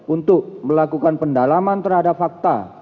untuk melakukan pendalaman terhadap fakta